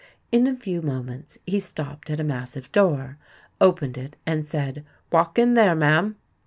In a few moments he stopped at a massive door, opened it, and said, "Walk in there, ma'am."